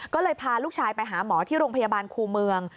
ก็เลยพาลูกชายไปหาหมอที่โรงพยาบาลครูเมือง